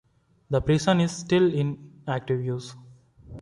The prison is still in active use.